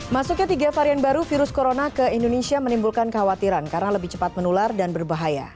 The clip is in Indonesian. masuknya tiga varian baru virus corona ke indonesia menimbulkan kekhawatiran karena lebih cepat menular dan berbahaya